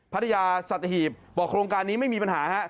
ภรรยาสัตหีบบอกโครงการนี้ไม่มีปัญหาฮะ